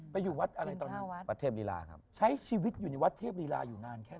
ไปอยู่วัดอะไรตอนนั้นวัดวัดเทพลีลาครับใช้ชีวิตอยู่ในวัดเทพลีลาอยู่นานแค่ไหน